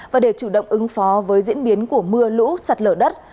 và để chủ động ứng phó với diễn biến của mưa lũ sạt lở đất